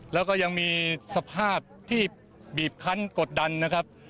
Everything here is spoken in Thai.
แล้วก็ยังมีสภาพที่บีบคันกดดันนะครับ